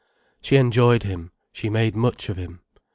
She enjoyed him, she made much of him.